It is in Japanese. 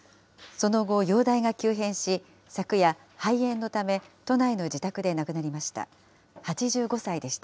その後、容体が急変し、昨夜、肺炎のため都内の自宅で亡くなりました。